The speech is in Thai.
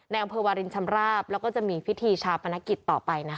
อำเภอวารินชำราบแล้วก็จะมีพิธีชาปนกิจต่อไปนะคะ